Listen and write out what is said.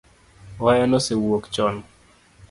Waya nosewuok chon